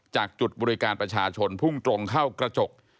จากจุดบริการประชาชนพุ่งตรงเข้ากระจก